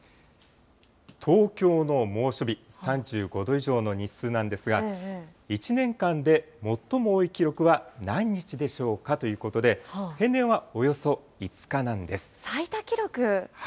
東京の猛暑日、３５度以上の日数なんですが、１年間で最も多い記録は何日でしょうかということで、最多記録？